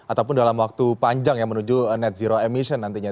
ataupun dalam waktu panjang ya menuju net zero emission nantinya